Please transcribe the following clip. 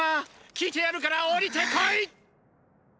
聞いてやるから下りてこい！